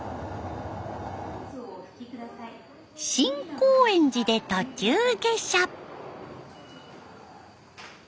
新高円寺で途中下車。